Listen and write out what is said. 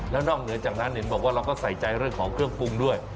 แล้วนอกเหนือจากนั้นเห็นบอกว่าเราก็ใส่ใจเรื่องของเครื่องปรุงด้วย